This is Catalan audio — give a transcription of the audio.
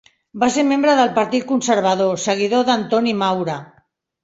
Va ser membre del Partit Conservador, seguidor d'Antoni Maura.